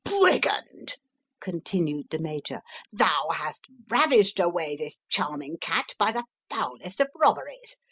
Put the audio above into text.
"Brigand!" continued the Major. "Thou hast ravished away this charming cat by the foulest of robberies.